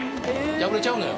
破れちゃうのよ